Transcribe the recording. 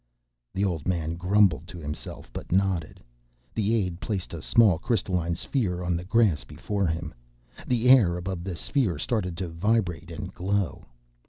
The old man grumbled to himself, but nodded. The aide placed a small crystalline sphere on the grass before him. The air above the sphere started to vibrate and glow.